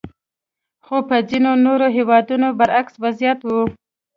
خو په ځینو نورو هېوادونو برعکس وضعیت وو.